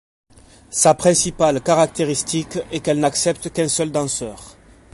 Sa principale caractéristique est qu'elle n'accepte qu'un seul danseur.